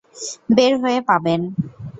বের হয়ে পাবেন।